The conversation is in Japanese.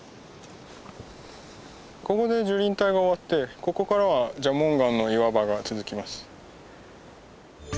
ここで樹林帯が終わってここからは蛇紋岩の岩場が続きます。